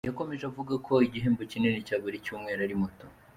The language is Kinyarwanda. Yakomeje avuga ko igihembo kinini cya buri cyumweru ari moto.